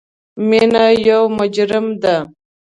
مینه یو مجرم ده